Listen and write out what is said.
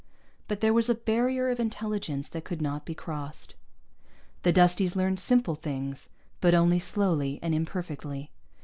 But there was a barrier of intelligence that could not be crossed. The Dusties learned simple things, but only slowly and imperfectly.